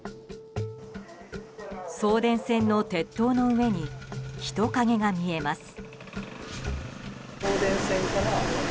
送電線の鉄塔の上に人影が見えます。